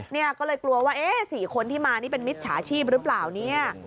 เนี่ยก็เลยกลัวว่าเอ๊ะ๔คนที่มานี่เป็นมิจฉาชีพหรือเปล่าเนี่ย